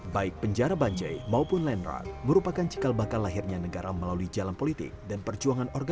baik penjara banjai maupun landrag merupakan cikal bakal lahirnya negara melalui jalan politik dan perjuangan organik